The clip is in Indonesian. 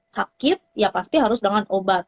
sakit ya pasti harus dengan obat